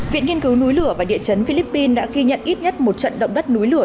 viện nghiên cứu núi lửa và địa chấn philippines đã ghi nhận ít nhất một trận động đất núi lửa